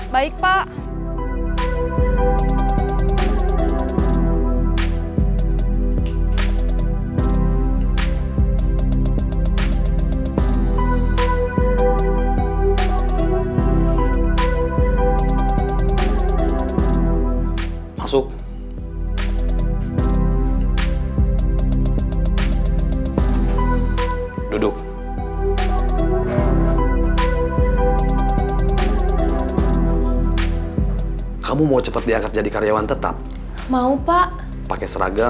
tapi kayaknya sekarang udah pergi